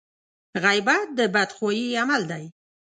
غيبت د بدخواهي عمل دی.